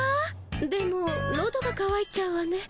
でものどがかわいちゃうわね。